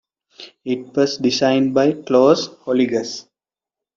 It was designed by Klaus Holighaus.